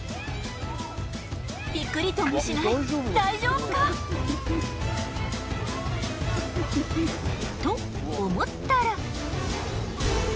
ピクリともしない大丈夫か？と思ったら。